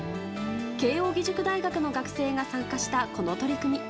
慶應義塾大学の学生が参加したこの取り組み。